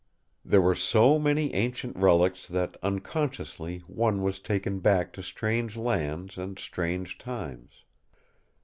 There were so many ancient relics that unconsciously one was taken back to strange lands and strange times.